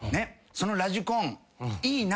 「そのラジコンいいな。